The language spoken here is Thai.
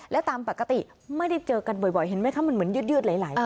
และตามปกติไม่ได้เจอกันบ่อยเห็นไหมคะมันเหมือนยืดหลาย